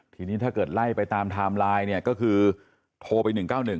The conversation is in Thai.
ทีนี้ถ้าเกิดไล่ไปตามไทม์ไลน์เนี่ยก็คือโทรไป๑๙๑